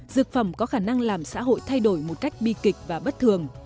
dược phẩm có khả năng làm xã hội thay đổi một cách bi kịch và bất thường